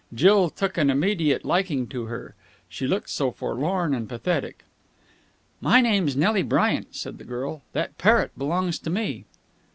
Jill took an immediate liking to her. She looked so forlorn and pathetic. "My name's Nelly Bryant," said the girl. "That parrot belongs to me."